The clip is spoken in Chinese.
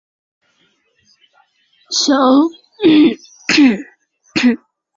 小距紫堇为罂粟科紫堇属下的一个种。